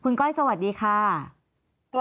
มันเป็นอาหารของพระราชา